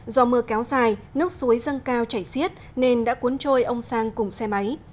do mưa kéo dài nước suối dâng cao chảy xiết nên đã cuốn trôi ông sang cùng xe máy